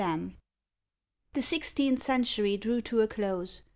LAMB_ The Sixteenth Century drew to a close.